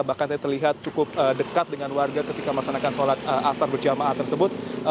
bahkan terlihat cukup dekat dengan warga ketika melaksanakan sholat asar berjamaah tersebut